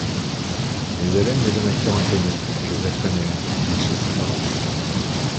Mais elle aime le jeune acteur inconnu Josef Rainer qui vit chez ses parents.